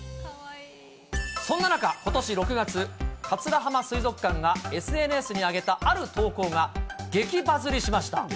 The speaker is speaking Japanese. そんな中、ことし６月、桂浜水族館がＳＮＳに上げたある投稿が、激バズりしました。